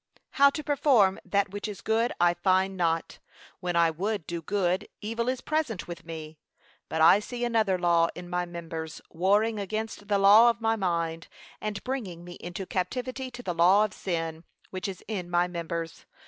'How to perform that which is good I find not;' 'when I would do good evil is present with me.' 'But I see another law in my members, warring against the law of my mind, and bringing me into captivity to the law of sin, which is in my members.'